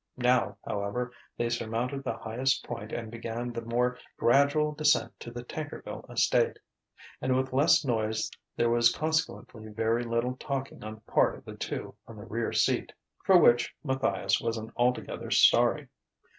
Now, however, they surmounted the highest point and began the more gradual descent to the Tankerville estate. And with less noise there was consequently very little talking on the part of the two on the rear seat. For which Matthias wasn't altogether sorry.